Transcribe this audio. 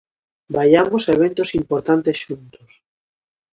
Vaiamos a eventos importantes xuntos.